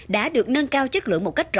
đã được nâng cao chất lượng một cách rõ rệt